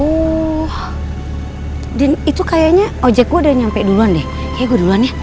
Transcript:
uh dan itu kayaknya ojek gue udah nyampe duluan deh kayaknya gue duluan ya